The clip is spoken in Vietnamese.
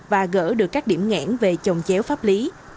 và gỡ được các điểm nghẽn về trồng chéo pháp lý